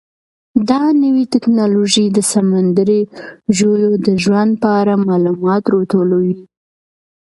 دا نوې ټیکنالوژي د سمندري ژویو د ژوند په اړه معلومات راټولوي.